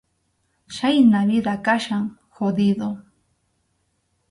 Chhayna vida kachkan jodido.